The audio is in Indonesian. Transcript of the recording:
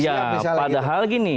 ya padahal gini